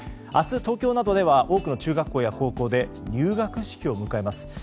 明日、東京などでは多くの中学校や高校で入学式を迎えます。